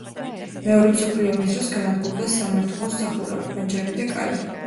მეორე მსოფლიო ომის დროს განადგურდა სამმართველოს სახურავი, ფანჯრები და კარი.